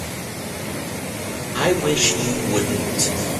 I wish you wouldn't.